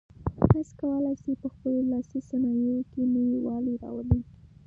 تاسي کولای شئ په خپلو لاسي صنایعو کې نوي والی راولئ.